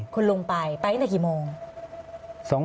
คุณลุงไปไปในกี่โมง